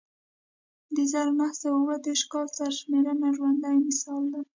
د زر نه سوه اووه دېرش کال سرشمېرنه ژوندی مثال دی